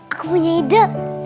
aku punya ide